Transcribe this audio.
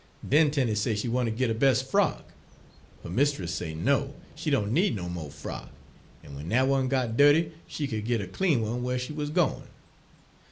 Den Tenie say she wanter git her bes' frock; her mistiss say no, she doan need no mo' frock, en w'en dat one got dirty she could git a clean one whar she wuz gwine.